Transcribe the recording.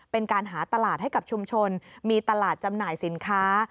เป็นการหาตลาดให้กับชุมชนมีตลาดจำหน่ายสินค้า